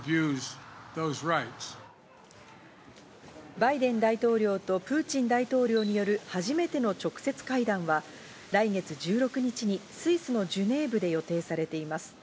バイデン大統領とプーチン大統領による初めての直接会談は、来月１６日にスイスのジュネーブで予定されています。